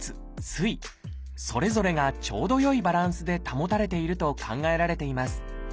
それぞれがちょうど良いバランスで保たれていると考えられています。